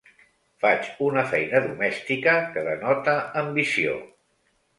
Faig una feina domèstica que denota ambició.